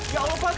ya allah pak